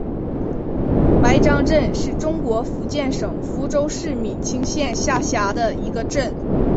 白樟镇是中国福建省福州市闽清县下辖的一个镇。